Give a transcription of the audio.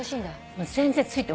もう全然ついて。